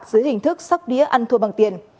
dưới hình thức sóc đĩa ăn thua bằng tiền